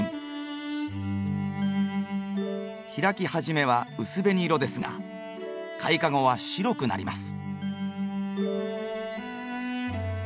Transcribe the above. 開きはじめは薄紅色ですが開花後は白くなります。